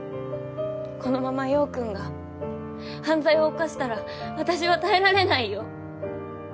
このまま陽君が犯罪を犯したら私は耐えられないよ！